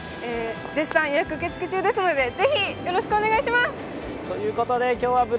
絶賛予約受付中ですので、是非よろしくお願いします。